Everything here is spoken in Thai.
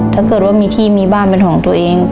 ถ้าเกิดว่ามีที่มีบ้านเป็นของตัวเอง